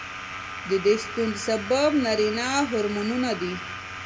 د دې ستونزې سبب نارینه هورمونونه دي.